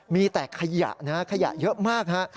มีแต่ขยะนะฮะขยะเยอะมากฮะ